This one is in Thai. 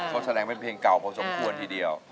ก็แสดงเป็นเพลงเก่าพอสมควรทีเดียว